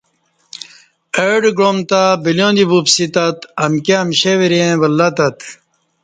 اہ ڈہ گعام تہ بلیاں دی وپسی تت امکی امشیں وری ولہ تت